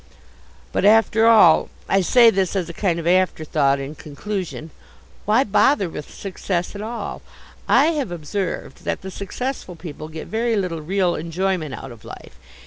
But after all I say this as a kind of afterthought in conclusion why bother with success at all? I have observed that the successful people get very little real enjoyment out of life.